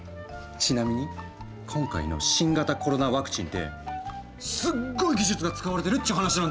ちなみに今回の新型コロナワクチンってすっごい技術が使われてるっちゅう話なんですよ！